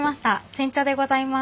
煎茶でございます。